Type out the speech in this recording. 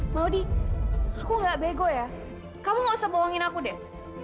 maudie aku gak bego ya kamu gak usah bohongin aku deh